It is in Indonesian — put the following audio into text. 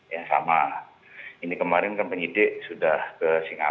jadi saat itu pun kita meminta